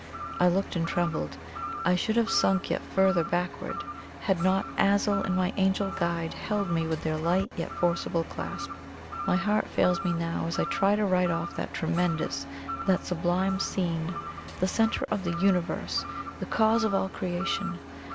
I looked and trembled I should have sunk yet further backward, had not Azul and my Angel guide held me with their light yet forcible clasp. My heart fails me now as I try to write of that tremendous, that sublime scene the Centre of the Universe the Cause of all Creation.